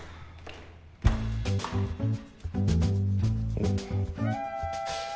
おっ。